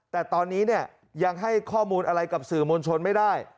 แต่ตอนนี้เนี่ยยังให้ข้อมูลอะไรกับสื่อมวลชนไม่ได้